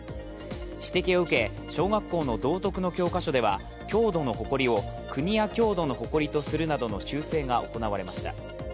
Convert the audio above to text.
指摘を受け、小学校の道徳の教科書では「郷土のほこり」を「国や郷土のほこり」にするなどの修正がされました。